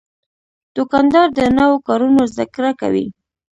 دوکاندار د نوو کارونو زدهکړه کوي.